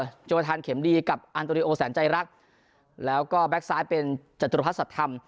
มีเจ้าประธานเข็มดีกับอันโตริโอแสนใจรักแล้วก็แบ็คซ้ายเป็นจัตรุพัศน์ศัตริธรรม